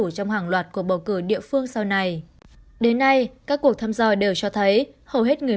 trong hàng loạt cuộc bầu cử địa phương sau này đến nay các cuộc thăm dò đều cho thấy hầu hết người